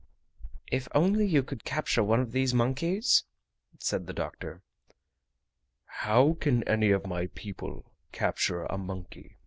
"If only you could capture one of these monkeys?" said the doctor. "How can any of my people capture a monkey?"